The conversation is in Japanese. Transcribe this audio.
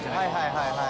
はいはい。